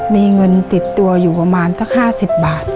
มีเงินติดตัวอยู่ประมาณสัก๕๐บาท